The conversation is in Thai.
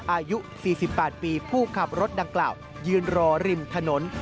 อายุ๔๘ปีผู้ขับรถดังกล่าวยืนรอริมถนน